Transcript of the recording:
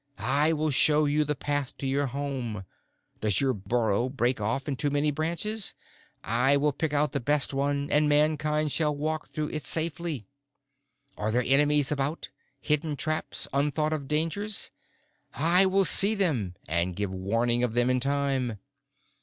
I will show you the path to your home. Does the burrow break off in too many branches? I will pick out the best one and Mankind shall walk through in safety. Are there enemies about, hidden traps, unthought of dangers? I will see them and give warning of them in time.